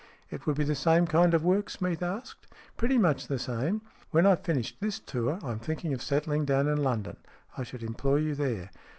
" It would be the same kind of work ?" Smeath asked. "Pretty much the same. When I've finished this tour I am thinking of settling down in London. I should employ you there."